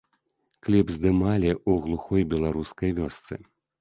Кліп здымалі ў глухой беларускай вёсцы.